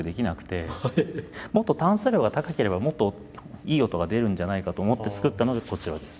もっと炭素量が高ければもっといい音が出るんじゃないかと思ってつくったのがこちらです。